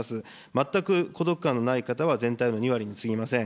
全く孤独感のない方は、全体の２割にすぎません。